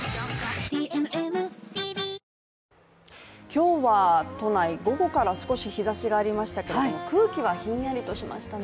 今日は都内、午後から少し日ざしがありましたけれども空気はひんやりとしましたね。